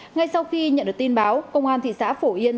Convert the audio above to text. ngay sau khi nhận được tin báo công an thị xã phổ yên